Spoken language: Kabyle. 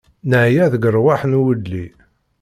Neɛya deg ṛṛwaḥ d uwelli.